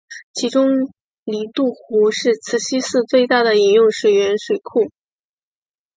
其中里杜湖是慈溪市最大的饮用水源水库。